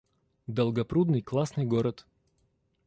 Долгопрудный — классный город